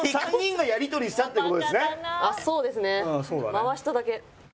回しただけ。